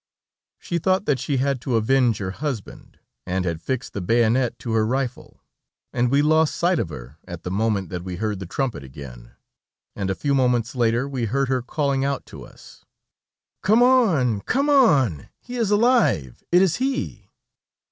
She thought that she had to avenge her husband, and had fixed the bayonet to her rifle, and we lost sight of her at the moment that we heard the trumpet again, and a few moments later we heard her calling out to us: "Come on! come on! he is alive! it is he!"